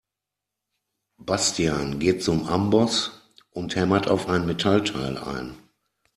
Bastian geht zum Amboss und hämmert auf ein Metallteil ein.